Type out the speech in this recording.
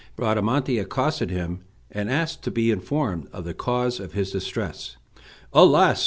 Bradamante accosted him, and asked to be informed of the cause of his distress. "Alas!